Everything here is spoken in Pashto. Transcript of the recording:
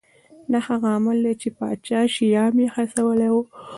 دا هغه عامل دی چې پاچا شیام یې هڅولی و.